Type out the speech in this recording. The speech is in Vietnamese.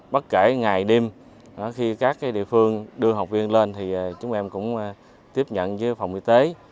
bất kể ngày đêm khi các địa phương đưa học viên lên thì chúng em cũng tiếp nhận với phòng y tế